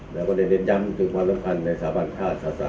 แล้วก็เน้นย้ำถึงความสำคัญในสถาบันทราชศาสตร์